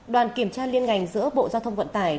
đoàn kiểm tra liên ngành giữa bộ giao thông vận tải